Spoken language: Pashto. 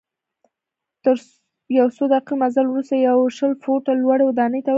تر یو څو دقیقې مزل وروسته یوه شل فوټه لوړي ودانۍ ته ورسیدم.